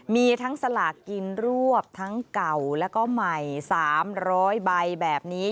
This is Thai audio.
มีทั้งสลากกินรวบทั้งเก่าแล้วก็ใหม่๓๐๐ใบแบบนี้